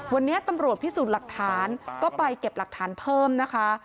วันนี้ตำรวจพิสูจน์หลักฐานก็ไปเก็บหลักฐานเพิ่มนะคะ